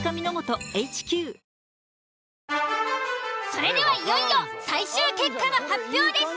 それではいよいよ最終結果の発表です。